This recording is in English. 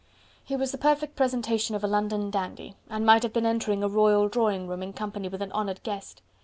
He was the perfect presentation of a London dandy, and might have been entering a royal drawing room in company with an honoured guest.